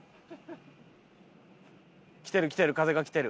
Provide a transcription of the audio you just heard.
きてるきてる風がきてる。